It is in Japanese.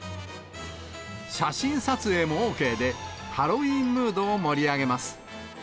写真撮影もＯＫで、ハロウィーンムードを盛り上げます。